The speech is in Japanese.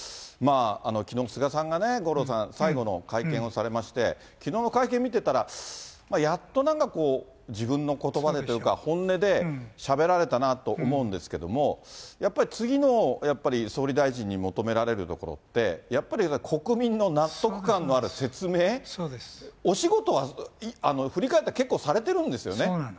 きのうも菅さんが五郎さん、最後の会見をされまして、きのうの会見見てたら、やっとなんかこう、自分のことばでというか、本音でしゃべられたなと思うんですけども、やっぱり次の総理大臣に求められるところって、やっぱり、国民の納得感のある説明、お仕事は、振り返ったら結構されてるんですよね。